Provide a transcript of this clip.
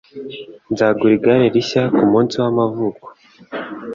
Nzaguha igare rishya kumunsi wamavuko.